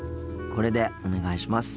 これでお願いします。